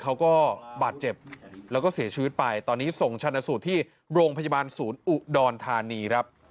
เขาก็บาดเจ็บแล้วก็เสียชีวิตไปตอนนี้ส่งชนะสูตรที่โรงพยาบาลศูนย์อุดรธานีครับ